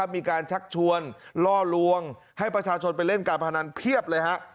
มีการชักชวนล่อลวงให้ประชาชนไปเล่นการพนันเพียบเลยฮะ